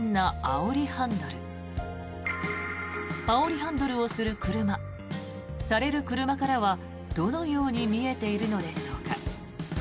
あおりハンドルをする車される車からはどのように見えているのでしょうか。